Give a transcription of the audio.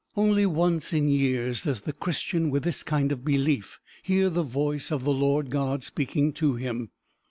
Only once in years does the Christian with this kind of belief hear the voice of the Lord God speaking to him.